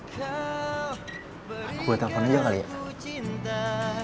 kau berikan aku cinta